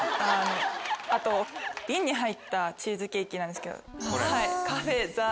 あと瓶に入ったチーズケーキなんですけど。